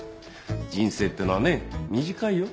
人生ってのはね短いよ。